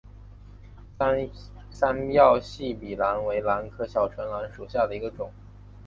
三药细笔兰为兰科小唇兰属下的一个种。